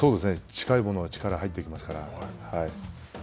近いほうが力が入っていきますから。